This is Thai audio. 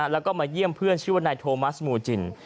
แล้วก็มาเยี่ยมเพื่อนชื่อว่านายโทมัสมูจิน